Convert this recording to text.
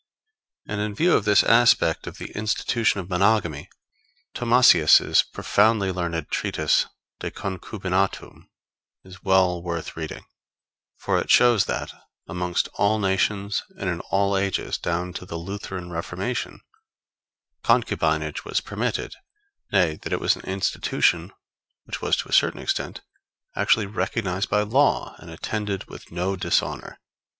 And in view of this aspect of the institution of monogamy, Thomasius' profoundly learned treatise, de Concubinatu, is well worth reading; for it shows that, amongst all nations and in all ages, down to the Lutheran Reformation, concubinage was permitted; nay, that it was an institution which was to a certain extent actually recognized by law, and attended with no dishonor.